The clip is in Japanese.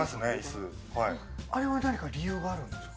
あれは何か理由があるんですか？